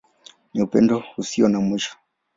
Ni Upendo Usio na Mwisho.